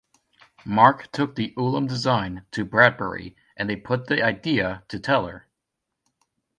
Mark took the Ulam design to Bradbury, and they put the idea to Teller.